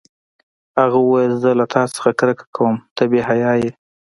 هغه وویل: زه له تا نه کرکه کوم، ته بې حیا یې.